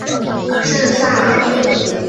圣萨尔维。